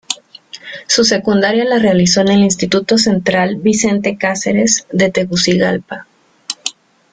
Su secundaria la realizó en el Instituto Central Vicente Cáceres de Tegucigalpa.